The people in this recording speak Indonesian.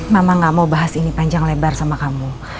mama gak mau bahas ini panjang lebar sama kamu